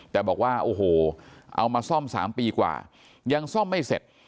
แต่บอกว่าโอ้โหเอามาซ่อม๓ปีกว่ายังซ่อมไม่เสร็จ